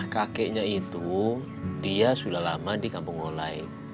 kakeknya itu dia sudah lama di kampung mulai